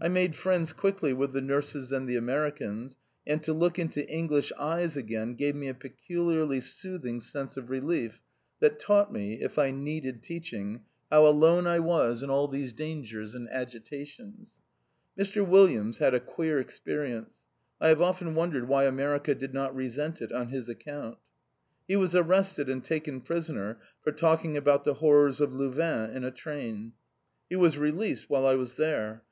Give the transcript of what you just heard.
I made friends quickly with the nurses and the Americans, and to look into English eyes again gave me a peculiarly soothing sense of relief that taught me (if I needed teaching) how alone I was in all these dangers and agitations. Mr. Williams had a queer experience. I have often wondered why America did not resent it on his account. He was arrested and taken prisoner for talking about the horrors of Louvain in a train. He was released while I was there.